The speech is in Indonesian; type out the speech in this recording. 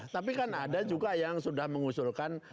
tapi kan ada juga yang sudah mengusulkan